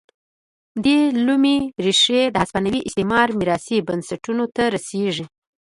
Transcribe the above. دې لومې ریښې د هسپانوي استعمار میراثي بنسټونو ته رسېږي.